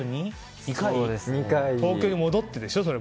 それも東京に戻ってでしょ。